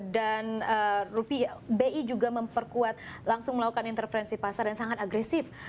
dan rupiah bi juga memperkuat langsung melakukan interference